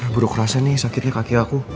buruk rasa nih sakitnya kaki aku